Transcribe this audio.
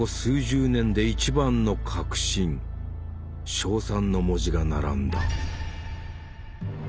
称賛の文字が並んだ。